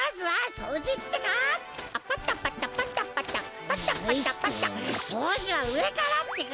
そうじはうえからってか！